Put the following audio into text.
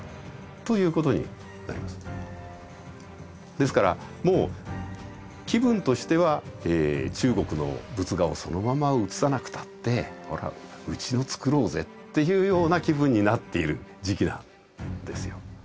ですからもう気分としては「中国の仏画をそのまま写さなくたってほらうちの作ろうぜ」っていうような気分になっている時期なんですよ。